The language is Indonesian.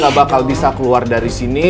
dia gak bakal bisa keluar dari sini